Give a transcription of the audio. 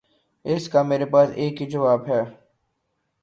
اس کا میرے پاس ایک ہی جواب ہے۔